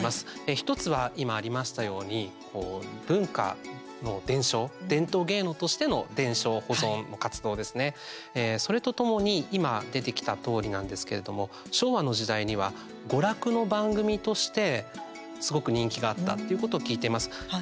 １つは今ありましたように文化の伝承、伝統芸能としての伝承保存の活動ですねそれとともに今出てきたとおりなんですけれども昭和の時代には娯楽の番組としてすごく人気があったっていうことを聞いています。